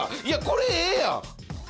いやこれええやん！